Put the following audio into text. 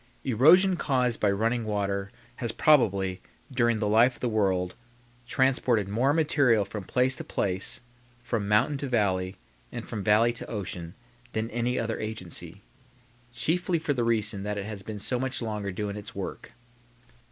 Erosion caused by running water has, probably, during the life of the world, transported more material from place to place, from mountain to valley, and from valley to ocean, than any other agency; chiefly for the reason that it has been so much longer doing its work.